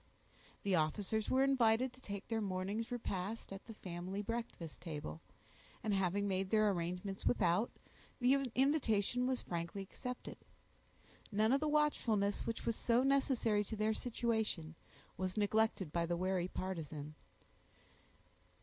The officers were invited to take their morning's repast at the family breakfast table, and having made their arrangements without, the invitation was frankly accepted. None of the watchfulness, which was so necessary to their situation, was neglected by the wary partisan.